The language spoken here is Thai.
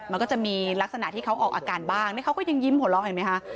มันก็จะมีลักษณะที่เขาออกอาการบ้างนี่เขาก็ยังยิ้มหัวเราะเห็นไหมคะ